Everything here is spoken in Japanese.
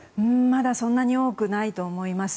まだそんなに多くないと思います。